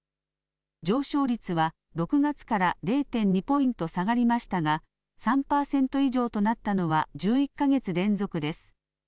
上昇率は６月から０．２ポイント下がりましたが３％以上となったのは１１か月連続です。